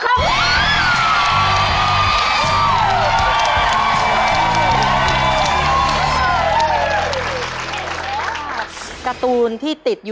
การ์ตูนที่ติดอยู่ในห้องนอนของคุณปุ้ยภาพ